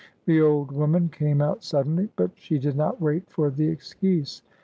The old woman came out suddenly; but she did not wait for the excuse.